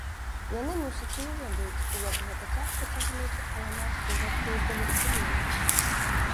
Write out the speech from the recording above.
Яны, мусіць, не ведаюць, як гэта цяжка цягнуць каламажку гэткую далечыню?